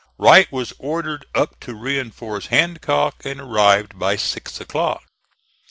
Wright was ordered up to reinforce Hancock, and arrived by six o'clock.